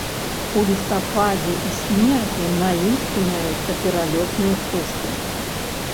У лістападзе і снежні на ім спыняюцца пералётныя птушкі.